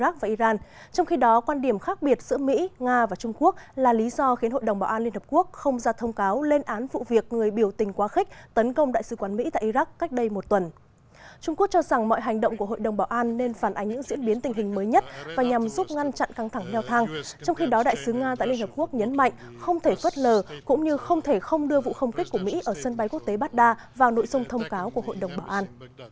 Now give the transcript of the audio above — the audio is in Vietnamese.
trong khi đó đại sứ nga tại liên hợp quốc nhấn mạnh không thể phất lờ cũng như không thể không đưa vụ không kích của mỹ ở sân bay quốc tế baghdad vào nội dung thông cáo của hội đồng bảo an